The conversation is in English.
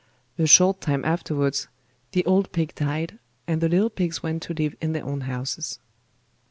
A short time afterwards the old pig died, and the little pigs went to live in their own houses.